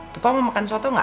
tufa mau makan soto gak